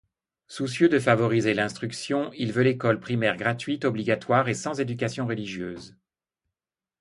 Soucieux de favoriser l'instruction, il veut l'école primaire gratuite, obligatoire et sans éducation religieuse.